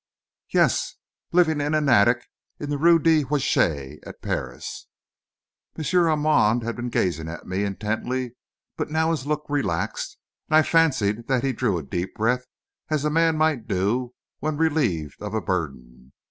"Yes, living in an attic in the Rue de la Huchette, at Paris." M. Armand had been gazing at me intently, but now his look relaxed, and I fancied that he drew a deep breath as a man might do when relieved of a burden.